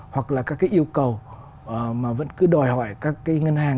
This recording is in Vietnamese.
hoặc là các cái yêu cầu mà vẫn cứ đòi hỏi các cái ngân hàng